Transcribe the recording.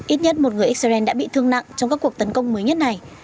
ít nhất một người israel đã bị thương nặng trong các cuộc tấn công mới nhất này